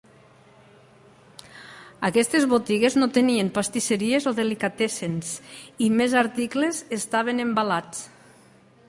Aquestes botigues no tenien pastisseries o delicatessens, i més articles estaven embalats.